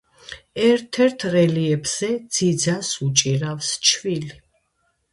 ერთ-ერთ რელიეფზე ძიძას უჭირავს ჩვილი.